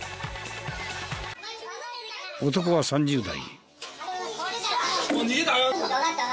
男は３０代。